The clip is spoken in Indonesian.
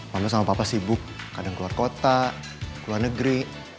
mama sama papa sibuk kadang keluar kota keluar negeri